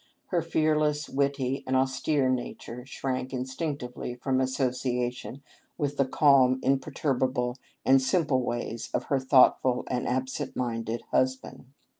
Her fearless, witty, and austere nature shrank instinctively from association with the calm, imperturbable, and simple ways of her thoughtful and absent minded husband.